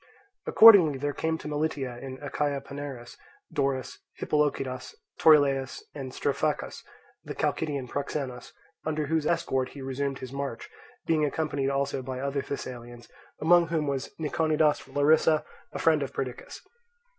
Accordingly there came to Melitia in Achaia Panaerus, Dorus, Hippolochidas, Torylaus, and Strophacus, the Chalcidian proxenus, under whose escort he resumed his march, being accompanied also by other Thessalians, among whom was Niconidas from Larissa, a friend of Perdiccas.